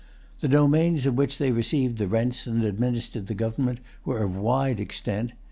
The domains of which they received the rents and administered the government were of wide extent.